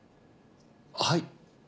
はい？